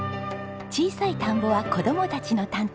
小さい田んぼは子供たちの担当。